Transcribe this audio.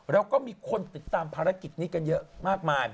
เราก็มีคนติดตามภารกิจนี้กันเยอะมากมาย